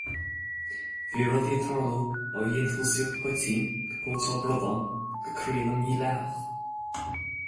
Bhí rudaí ag tarlú ó dhéantúsaíocht poitín go póitseáil bradán go craoladh mídhleathach.